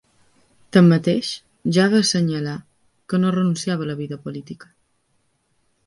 Tanmateix, ja va assenyalar que no renunciava a la vida política.